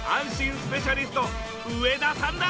スペシャリスト植田さんだ！